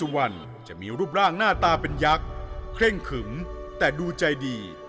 ถาเวสวรรค์จะมีรูปร่างหน้าตาเป็นยักษ์เคร้งขื๋มแต่ดูใจดี